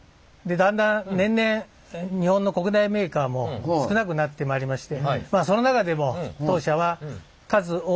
だんだん年々日本の国内メーカーも少なくなってまいりましてまあその中でも当社はなるほど。